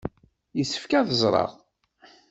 Yessefk ad teẓreɣ.